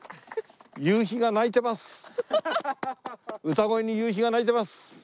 歌声に夕日が泣いてます。